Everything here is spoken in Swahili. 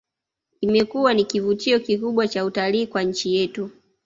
Imekuwa ni kivutio kikubwa cha utalii kwa nchi yetu